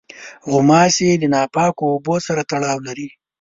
غوماشې د ناپاکو اوبو سره تړاو لري.